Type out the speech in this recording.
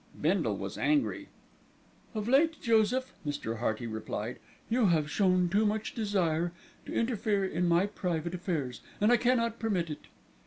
Bindle was angry. "Of late, Joseph," Mr. Hearty replied, "you have shown too much desire to interfere in my private affairs, and I cannot permit it."